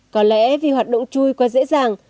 có lẽ vì hoạt động chui quá dễ dàng